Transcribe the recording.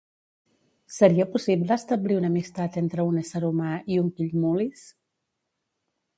Seria possible establir una amistat entre un ésser humà i un Killmoulis?